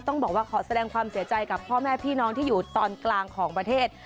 ต้องบอกว่าขอแสดงความเสียใจกับพ่อแม่พี่น้องที่อยู่ตอนกลางของประเทศ